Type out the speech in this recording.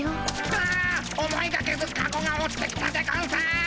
あ思いがけずカゴが落ちてきたでゴンス。